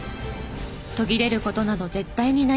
途切れる事など絶対にない。